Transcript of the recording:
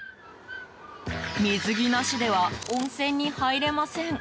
水着なしでは温泉に入れません。